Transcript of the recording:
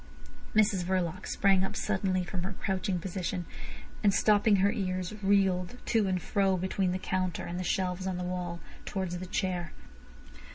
Mrs Verloc sprang up suddenly from her crouching position, and stopping her ears, reeled to and fro between the counter and the shelves on the wall towards the chair.